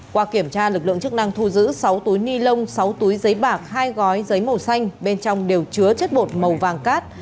qua kiểm tra lực lượng chức năng thu giữ sáu túi ni lông sáu túi giấy bạc hai gói giấy màu xanh bên trong đều chứa chất bột màu vàng cát